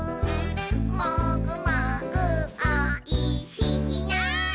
「もぐもぐおいしいな」